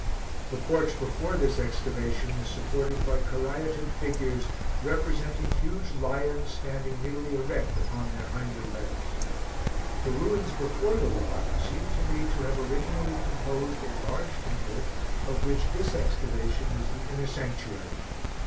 The porch before this excavation was supported by Caryatid figures, representing huge lions standing nearly erect upon their hinder legs. The ruins before the rock seemed to me to have originally composed a large temple, of which this excavation was the inner sanctuary.